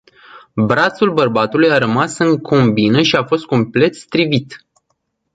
Brațul bărbatului a rămas în combină și a fost complet strivit.